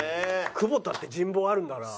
久保田って人望あるんだな。